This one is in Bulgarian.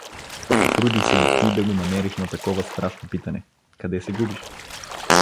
Потруди се и ти да го намериш на такова страшно питане: Къде се губиш?